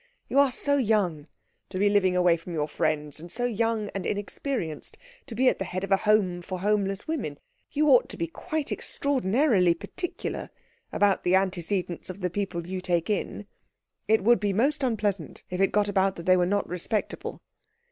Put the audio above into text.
You are so young to be living away from your friends, and so young and inexperienced to be at the head of a home for homeless women you ought to be quite extraordinarily particular about the antecedents of the people you take in. It would be most unpleasant if it got about that they were not respectable."